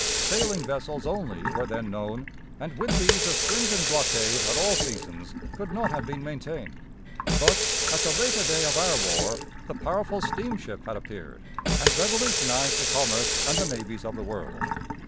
Sailing vessels only were then known, and with these a stringent blockade at all seasons could not have been maintained. But, at the later day of our war, the powerful steamship had appeared, and revolutionized the commerce and the navies of the world.